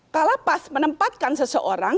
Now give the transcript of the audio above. kalapas menempatkan seseorang